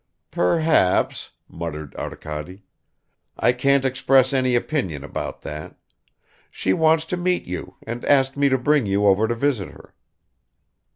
"Perhaps," muttered Arkady. "I can't express any opinion about that. She wants to meet you and asked me to bring you over to visit her."